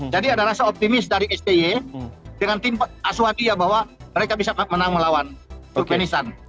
jadi ada rasa optimis dari stj dengan tim aswadia bahwa mereka bisa menang melawan turkmenistan